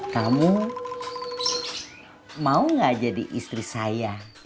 kamu mau gak jadi istri saya